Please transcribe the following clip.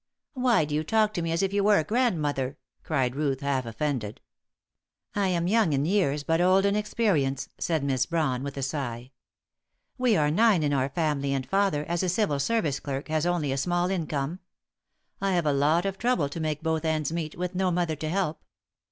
"Why do you talk to me as if you were a grandmother?" cried Ruth, half offended. "I am young a years but old in experience," said Miss Brawn, with a sigh. "We are nine in our family, and father, as a Civil Service clerk, has only a small income. I have a lot of trouble to make both ends meet, with no mother to help.